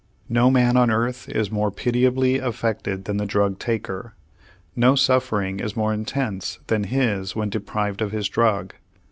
No man on earth is more pitiably affected than the drug taker; no suffering is more intense than his when deprived of his drug.